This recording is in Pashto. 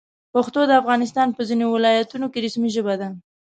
پښتو د افغانستان په ځینو ولایتونو کې رسمي ژبه ده.